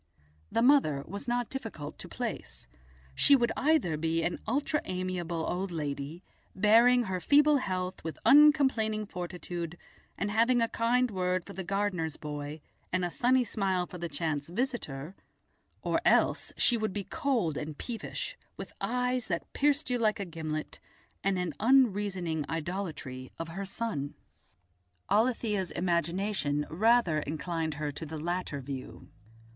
The mother was not difficult to place; she would either be an ultra amiable old lady, bearing her feeble health with uncomplaining fortitude, and having a kind word for the gardener's boy and a sunny smile for the chance visitor, or else she would be cold and peevish, with eyes that pierced you like a gimlet, and an unreasoning idolatry of her son. Alethia's imagination rather inclined her to the latter view.